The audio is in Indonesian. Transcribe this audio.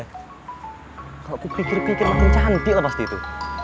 kalau aku pikir pikir makin cantik lah pasti itu